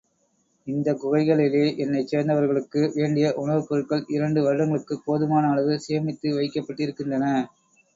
இந்தக் குகைகளிலே என்னைச் சேர்ந்தவர்களுக்கு வேண்டிய உணவுப் பொருள்கள் இரண்டு வருடங்களுக்குப் போதுமான அளவு சேமித்து வைக்கப்பட்டிருக்கின்றன.